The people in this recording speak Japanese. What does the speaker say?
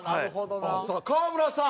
さあ川村さん。